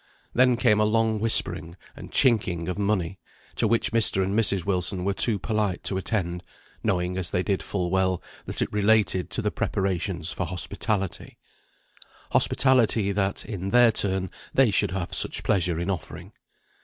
Then came a long whispering, and chinking of money, to which Mr. and Mrs. Wilson were too polite to attend; knowing, as they did full well, that it all related to the preparations for hospitality; hospitality that, in their turn, they should have such pleasure in offering.